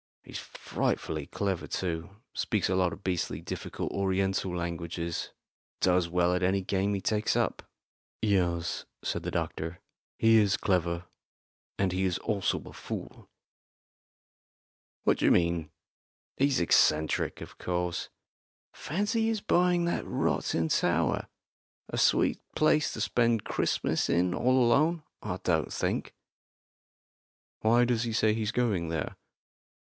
He's frightfully clever too speaks a lot of beastly difficult Oriental languages does well at any game he takes up." "Yes," said the doctor, "he is clever; and he is also a fool." "What do you mean? He's eccentric, of course. Fancy his buying that rotten tower a sweet place to spend Christmas in all alone, I don't think." "Why does he say he's going there?"